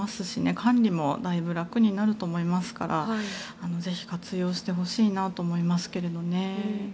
管理もだいぶ楽になると思いますからぜひ活用してほしいなと思いますけどね。